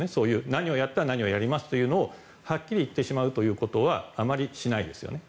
何をやったら何をやりますということをはっきり言ってしまうのはあまりしないですね。